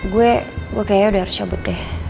gue kayaknya udah harus cabut deh